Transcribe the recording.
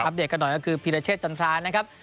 เดตกันหน่อยก็คือพีรเชษจันทรานะครับ